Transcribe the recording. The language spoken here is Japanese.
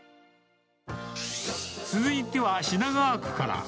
続いては品川区から。